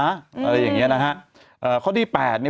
อะไรอย่างเงี้ยนะฮะข้อที่๘เนี่ย